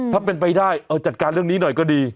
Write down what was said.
ถ้าเป็นไปได้เอาจัดการเรื่องนี้หน่อยก็ดี